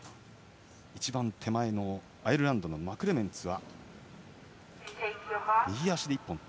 一番手前のアイルランドのマクレメンツは右足１本。